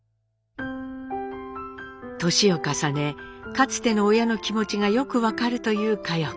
かつての親の気持ちがよく分かるという佳代子。